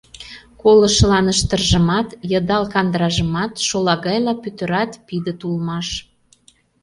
Колышылан ыштыржымат, йыдал кандыражымат шолагайла пӱтырат-пидыт улмаш.